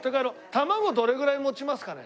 卵どれぐらい持ちますかね？